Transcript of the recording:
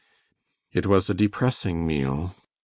It was a depressing meal.